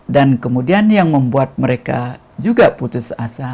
dan kemudian yang membuat mereka juga putus asa